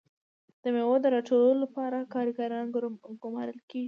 د میوو د راټولولو لپاره کارګران ګمارل کیږي.